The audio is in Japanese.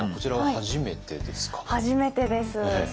初めてです。